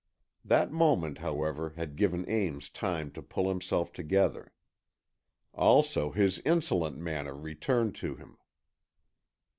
That moment, however, had given Ames time to pull himself together. Also, his insolent manner returned to him.